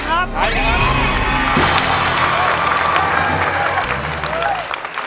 ใช่ครับ